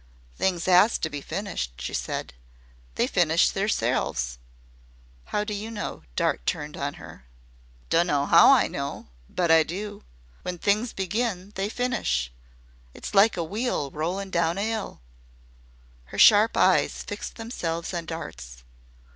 "Things 'AS to be finished," she said. "They finish theirselves." "How do you know?" Dart turned on her. "Dunno 'OW I know but I do. When things begin they finish. It's like a wheel rollin' down an 'ill." Her sharp eyes fixed themselves on Dart's.